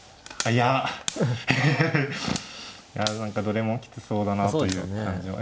いや何かどれもきつそうだなという感じは。